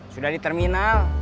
sudah di terminal